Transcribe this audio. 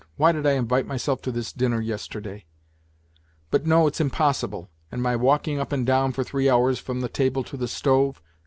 Why did I invite myself to this dinner yesterday ? But no, it's impossible. And my walking up and down for three hours from the table to the stove